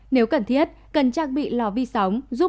nếu cần thiết cần trang bị lò vi sóng